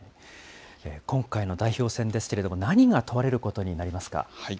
今回の代表選ですけれども、何が問われることになりますか。